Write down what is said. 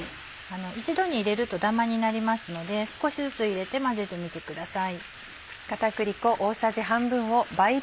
一度に入れるとダマになりますので少しずつ入れて混ぜてみてください。